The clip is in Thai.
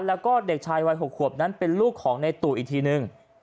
แล้วก็เด็กชายวัย๖ขวบนั้นเป็นลูกของในตู่อีกทีนึง